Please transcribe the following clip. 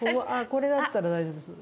これだったら大丈夫そうだな